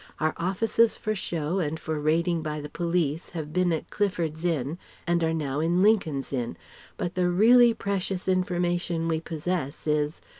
Our offices for show and for raiding by the police have been at Clifford's Inn and are now in Lincoln's Inn. But the really precious information we possess is